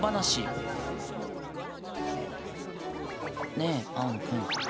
ねえ青野くん。